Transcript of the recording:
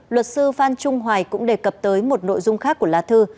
luật sư phan trung hoài cũng đề cập tới một nội dung khác của lá thư